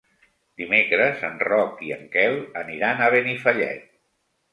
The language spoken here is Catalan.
Dimecres en Roc i en Quel aniran a Benifallet.